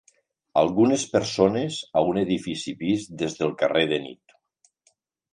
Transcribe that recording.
Algunes persones a un edifici vist des del carrer de nit.